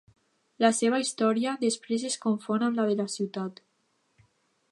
La seva història després es confon amb la de la ciutat.